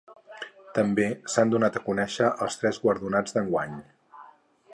També s’han donat a conèixer els tres guardonats d’enguany.